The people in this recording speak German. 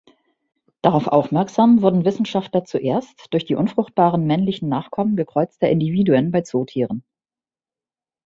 Darauf aufmerksam wurden Wissenschaftler zuerst durch die unfruchtbaren männlichen Nachkommen gekreuzter Individuen bei Zootieren.